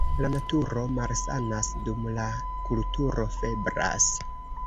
La naturo malsanas, dum la kulturo febras.